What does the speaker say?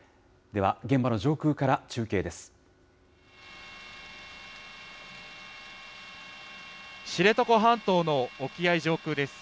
では、現場の上空から中継です。